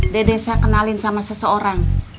dede saya kenalin sama seseorang